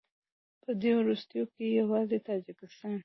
په دې وروستیو کې یوازې تاجکستان